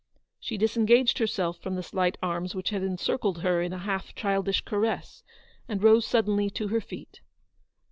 She disengaged herself from the slight arms which had encircled her in a half childish caress, and rose suddenly to her feet.